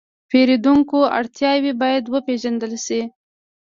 د پیرودونکو اړتیاوې باید وپېژندل شي.